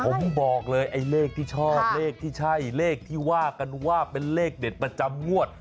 ผมบอกเลยไอ้เลขที่ชอบเลขที่ใช่เลขที่ว่ากันว่าเป็นเลขเด็ดประจำงวด